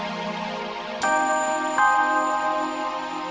ya udah mpok